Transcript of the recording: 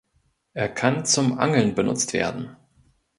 Er kann zum Angeln benutzt werden.